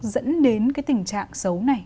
dẫn đến cái tình trạng xấu này